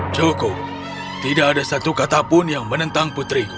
cukup tidak ada satu katapun yang menentang putri